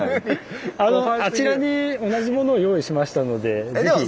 あのあちらに同じものを用意しましたので是非。